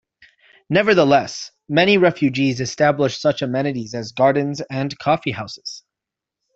Nevertheless, many refugees established such amenities as gardens and coffee houses.